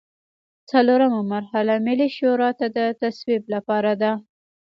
څلورمه مرحله ملي شورا ته د تصویب لپاره ده.